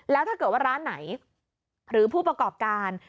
แล้วถ้าเกิดว่าร้านไหนหรือผู้ประกอบการ